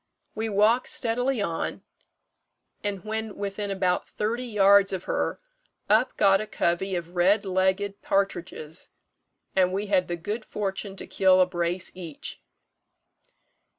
We walked steadily on; and when within about thirty yards of her, up got a covey of red legged partridges, and we had the good fortune to kill a brace each.